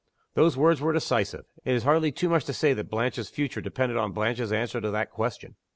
_" Those words were decisive. It is hardly too much to say that Blanche's future depended on Blanche's answer to that question.